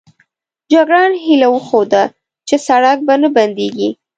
جګړن هیله وښوده چې سړک به نه بندېږي.